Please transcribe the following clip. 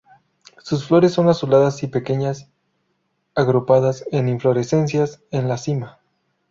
Sus flores son azuladas y pequeñas agrupadas en inflorescencias en la cima.